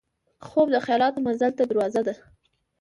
خوب د خیالاتو مزل ته دروازه ده